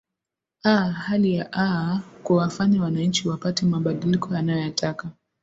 aa hali ya aa kuwafanya wananchi wapate mabadiliko wanayotaka